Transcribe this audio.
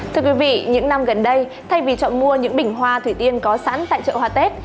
thưa quý vị những năm gần đây thay vì chọn mua những bình hoa thủy tiên có sẵn tại chợ hoa tết